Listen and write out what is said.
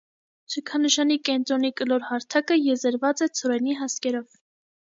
Շքանշանի կենտրոնի կլոր հարթակը եզերված է ցորենի հասկերով։